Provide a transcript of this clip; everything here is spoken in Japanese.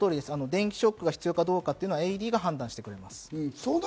電気ショックが必要かどうか、ＡＥＤが判断してくれます。